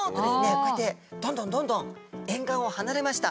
こうやってどんどんどんどん沿岸を離れました。